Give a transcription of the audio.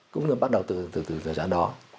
cũng bắt đầu từ thời gian đó